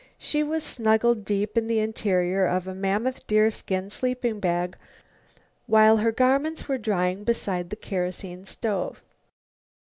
She was snuggled deep in the interior of a mammoth deerskin sleeping bag, while her garments were drying beside the kerosene stove.